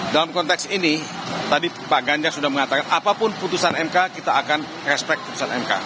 dalam konteks ini tadi pak ganjar sudah mengatakan apapun putusan mk kita akan respect putusan mk